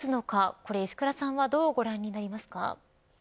これ石倉さんはどうご覧になりますか。